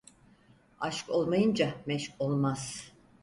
Aşk olmayınca meşk olmaz.